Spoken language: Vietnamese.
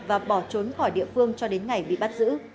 và bỏ trốn khỏi địa phương cho đến ngày bị bắt giữ